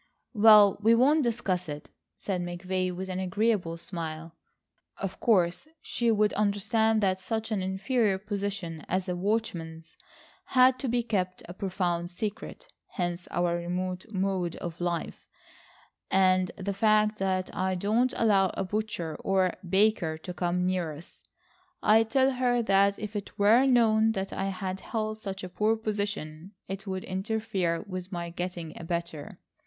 "Well, we won't discuss it," said McVay with an agreeable smile. "Of course she could understand that such an inferior position as a watchman's had to be kept a profound secret, hence our remote mode of life, and the fact that I don't allow a butcher or baker to come near us. I tell her that if it were known that I had held such a poor position, it would interfere with my getting a better.